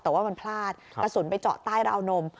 แต่ว่ามันพลาดกระสุนไปเจาะใต้ราวนม